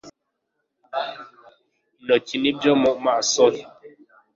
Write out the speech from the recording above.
intoki n'ibyo mu maso he,